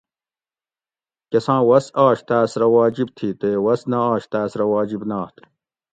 کساں وس آش تاس رہ واجِب تھی تے وس نہ آش تاۤس رہ واجِب نات